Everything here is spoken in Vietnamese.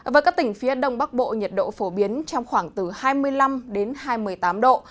với các tỉnh phía đông bắc bộ nhiệt độ phổ biến trong khoảng từ hai mươi năm hai mươi tám độ